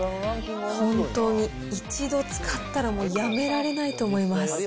本当に一度使ったらもうやめられないと思います。